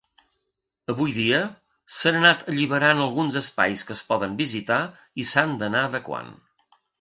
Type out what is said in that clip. Avui dia, s'han anat alliberant alguns espais que es poden visitar i s'han d'anar adequant.